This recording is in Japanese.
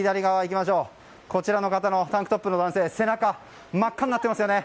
こちらのタンクトップの男性の方背中、真っ赤になっていますよね。